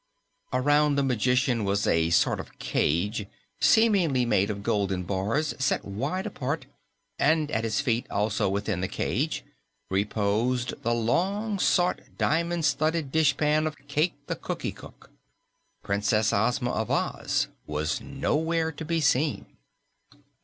Around the magician was a sort of cage, seemingly made of golden bars set wide apart, and at his feet, also within the cage, reposed the long sought diamond studded dishpan of Cayke the Cookie Cook. Princess Ozma of Oz was nowhere to be seen.